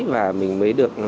và mình mới được